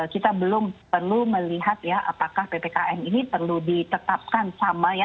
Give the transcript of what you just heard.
kita belum perlu melihat ya apakah ppkm ini perlu ditetapkan sama ya